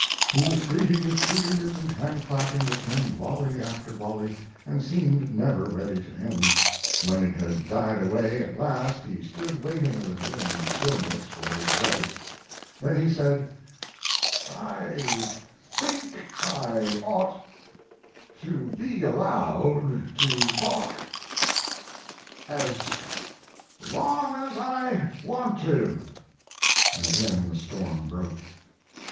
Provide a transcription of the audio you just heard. He was greeted with cheers and hand clapping that came volley after volley, and seemed never ready to end. When it had died away at last he stood waiting a little in the stillness for his voice; then he said, "I think I ought to be allowed to talk as long as I want to," and again the storm broke.